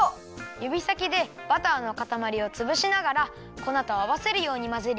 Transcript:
ゆびさきでバターのかたまりをつぶしながらこなとあわせるようにまぜるよ。